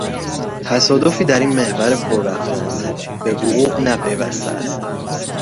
تصادفی در این محور پر رفت و آمد به وقوع نپیوسته است